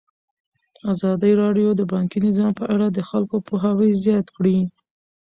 ازادي راډیو د بانکي نظام په اړه د خلکو پوهاوی زیات کړی.